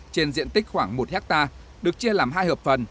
trên diện tích khoảng một hectare được chia làm hai hợp phần